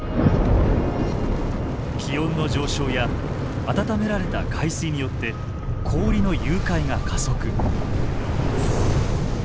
気温の上昇や温められた海水によって氷の融解が加速。